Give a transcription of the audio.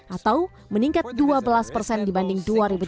atau meningkat dua belas persen dibanding dua ribu sembilan belas